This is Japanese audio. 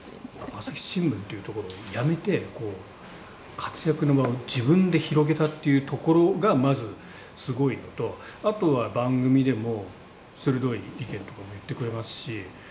「朝日新聞っていう所を辞めて活躍の場を自分で広げたっていうところがまずすごいのとあとは番組でも鋭い意見とかも言ってくれますし」